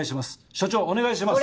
署長お願いします。